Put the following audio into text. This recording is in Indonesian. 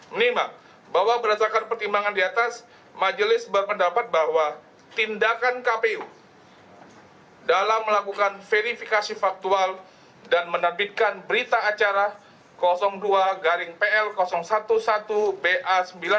menimbang bahwa berdasarkan pertimbangan di atas majelis berpendapat bahwa tindakan kpu dalam melakukan verifikasi faktual dan menerbitkan berita acara dua garing pl sebelas ba sembilan